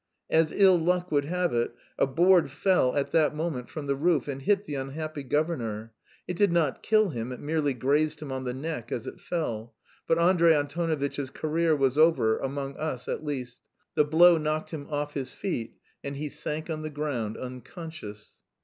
As ill luck would have it, a board fell at that moment from the roof and hit the unhappy governor. It did not kill him, it merely grazed him on the neck as it fell, but Andrey Antonovitch's career was over, among us at least; the blow knocked him off his feet and he sank on the ground unconscious.